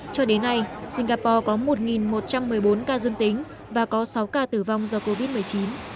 cho đến nay singapore có một một trăm một mươi bốn ca dương tính và có sáu ca tử vong do covid một mươi chín